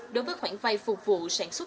đối với khoản vay phục vụ sản xuất